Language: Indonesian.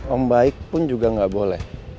om baik pun juga nggak boleh